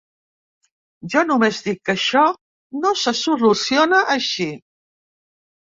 Jo només dic que això no se soluciona així.